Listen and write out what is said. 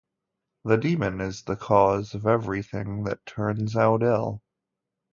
The demon is the cause of everything that turns out ill.